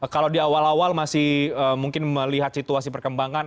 kalau di awal awal masih mungkin melihat situasi perkembangan